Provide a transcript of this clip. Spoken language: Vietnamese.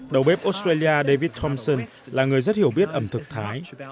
đầu bếp australia david tomson là người rất hiểu biết ẩm thực thái